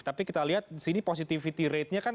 tapi kita lihat di sini positivity ratenya kan